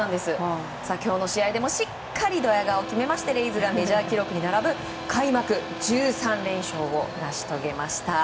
今日の試合でもしっかりドヤ顔を決めましてレイズがメジャー記録に並ぶ開幕１３連勝を成し遂げました。